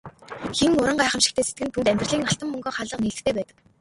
Хэн уран гайхамшигтай сэтгэнэ түүнд амьдралын алтан мөнгөн хаалга нээлттэй байдаг.